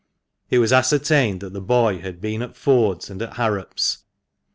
It was ascertained that the boy had been at Ford's and at Harrop's.